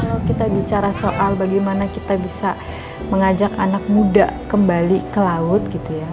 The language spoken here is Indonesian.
kalau kita bicara soal bagaimana kita bisa mengajak anak muda kembali ke laut gitu ya